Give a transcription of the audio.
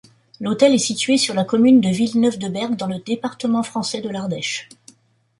L'hôtel est situé sur la commune de Villeneuve-de-Berg, dans le département français de l'Ardèche.